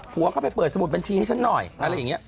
เข้าไปเปิดสมุดบัญชีให้ฉันหน่อยอะไรอย่างนี้